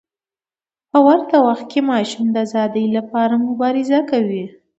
په ورته وخت کې ماشوم د ازادۍ لپاره مبارزه کوي.